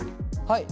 はい。